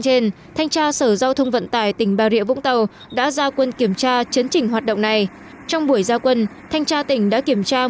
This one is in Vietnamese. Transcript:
đường đường đường đường đường đường đường đường đường đường đường đường đường đường